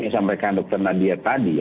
sampaikan dokter nadia tadi